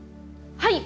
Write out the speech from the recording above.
はい。